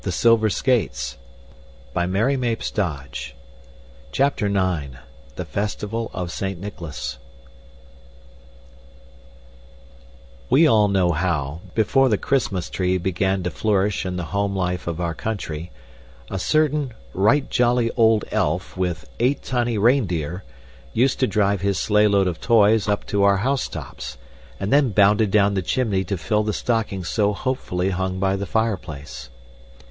And Gretel ran after him toward the house as rapidly as she could. The Festival of Saint Nicholas We all know how, before the Christmas tree began to flourish in the home life of our country, a certain "right jolly old elf," with "eight tiny reindeer," used to drive his sleigh load of toys up to our housetops, and then bounded down the chimney to fill the stockings so hopefully hung by the fireplace.